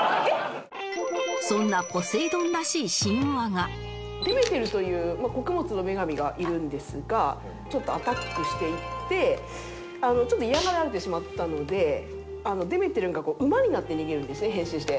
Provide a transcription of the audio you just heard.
そんなデメテルという穀物の女神がいるんですがちょっとアタックしていってちょっと嫌がられてしまったのでデメテルが馬になって逃げるんですね変身して。